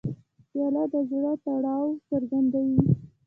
پیاله د زړه تړاو څرګندوي.